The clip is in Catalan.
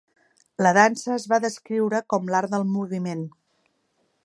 La dansa es va descriure com l'art del moviment.